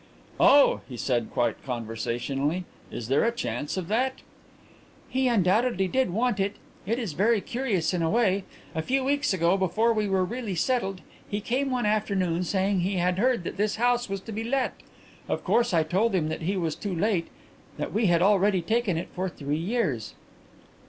"Oh," he said, quite conversationally, "is there a chance of that?" "He undoubtedly did want it. It is very curious in a way. A few weeks ago, before we were really settled, he came one afternoon, saying he had heard that this house was to be let. Of course I told him that he was too late, that we had already taken it for three years."